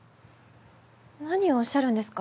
何をおっしゃるんですか？